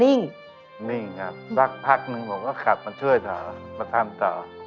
นิ่งนิ่งครับสักพักหนึ่งผมก็ขับมาช่วยต่อมาทำต่อ